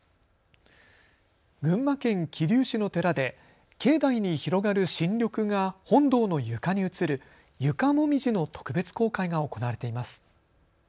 群馬県桐生市の寺で境内に広がる新緑が本堂の床に映る床もみじの特別公開が行われています。